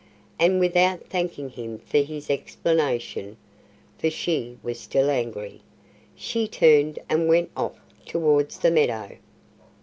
And without thanking him for his explanation (for she was still angry) she turned and went off towards the meadow.